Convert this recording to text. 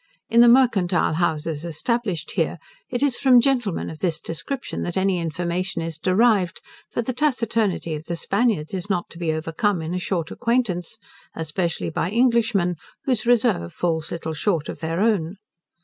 In the mercantile houses established here, it is from gentlemen of this description that any information is derived, for the taciturnity of the Spaniards is not to be overcome in a short acquaintance, especially by Englishmen, whose reserve falls little short of their own.